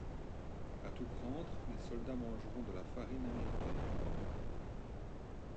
A tout prendre, les soldats mangeront de la farine américaine.